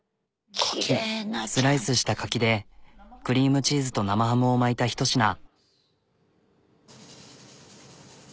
スライスした柿でクリームチーズと生ハムを巻いたひと品。